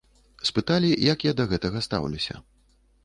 Спыталі, як я да гэтага стаўлюся.